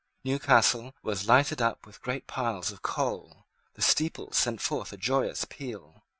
Newcastle was lighted up with great piles of coal. The steeples sent forth a joyous peal.